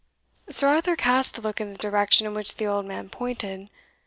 Sir Arthur cast a look in the direction in which the old man pointed.